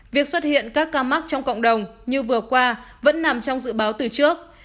việc xuất hiện các ca mắc trong cộng đồng như vừa qua vẫn nằm trong dự báo từ trước